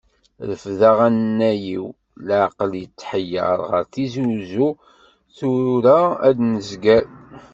Refdeɣ anay-iw, leɛqel yettḥeyyeṛ, ɣer Tizi Wezzu, tura ad nezger.